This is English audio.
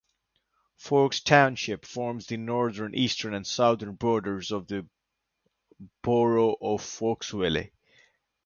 Forks Township forms the northern, eastern and southern borders of the borough of Forksville.